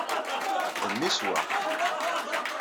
D mmi-s, wa.